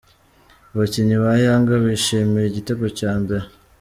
Abakinnyi ba Yanga bishimira igitego cya mbere.